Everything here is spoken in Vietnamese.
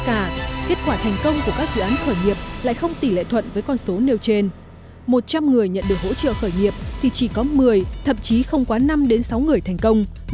các doanh nghiệp khởi nghiệp thì chỉ có một mươi thậm chí không quá năm đến sáu người thành công